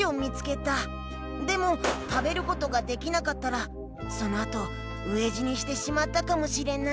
でも食べることができなかったらそのあと飢え死にしてしまったかもしれない。